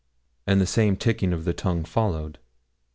and the same ticking of the tongue followed.